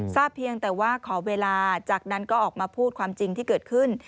เพียงแต่ว่าขอเวลาจากนั้นก็ออกมาพูดความจริงที่เกิดขึ้น